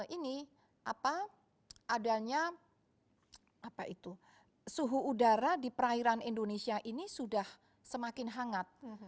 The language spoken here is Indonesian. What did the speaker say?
ini adanya suhu udara di perairan indonesia ini sudah semakin hangat